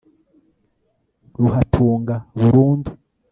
Ruhatunga burundu